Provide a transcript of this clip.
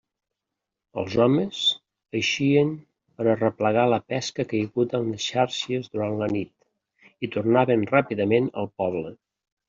Els homes eixien per a arreplegar la pesca caiguda en les xàrcies durant la nit, i tornaven ràpidament al poble.